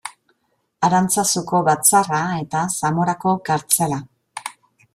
Arantzazuko batzarra eta Zamorako kartzela.